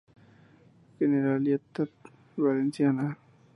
Generalitat Valenciana.